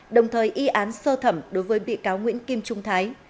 đồng thời y án sơ thẩm đối với bị cáo nguyễn kim trung thái